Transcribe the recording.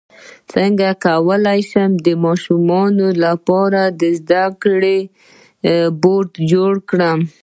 څنګه کولی شم د ماشومانو لپاره د زده کړې بورډ جوړ کړم